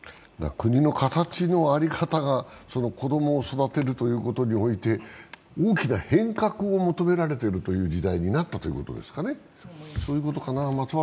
国の形の在り方が子供を育てるということにおいて大きな変革を求められている時代になっているということですかね。